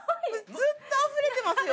ずっとあふれてますよ。